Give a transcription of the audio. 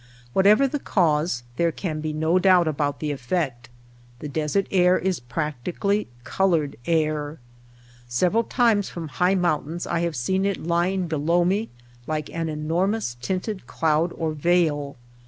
Whatever the cause, there can be no doubt about the effect. The desert air is practically colored air. Several times from high mountains I have seen it lying below me like an enormous tinted cloud or veil.